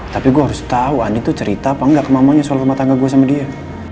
tapi gue harus tau andi tuh cerita apa engga ke mamanya soal rumah tangga gue sama dia